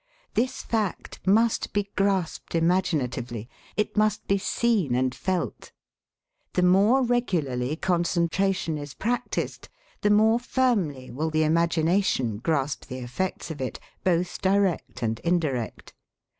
This fact must be grasped imaginatively; it must be seen and felt. The more regularly concentration is practised, the more firmly will the imagination grasp the effects of it, both direct and indirect.